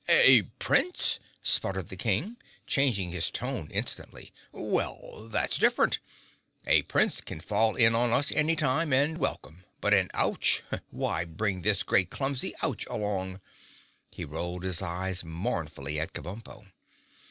"A Prince?" spluttered the King, changing his tone instantly. "Well, that's different. A Prince can fall in on us any time and welcome but an Ouch! Why bring this great clumsy Ouch along?" He rolled his eyes mournfully at Kabumpo.